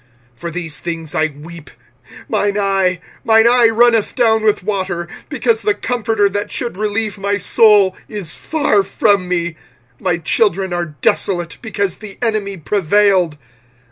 25:001:016 For these things I weep; mine eye, mine eye runneth down with water, because the comforter that should relieve my soul is far from me: my children are desolate, because the enemy prevailed.